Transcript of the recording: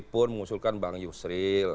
pun mengusulkan bang yusril